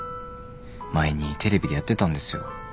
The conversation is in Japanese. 前にテレビでやってたんですよ。